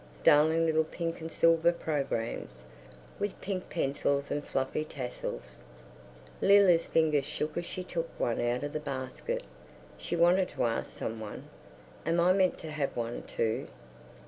Darling little pink and silver programmes, with pink pencils and fluffy tassels. Leila's fingers shook as she took one out of the basket. She wanted to ask some one, "Am I meant to have one too?"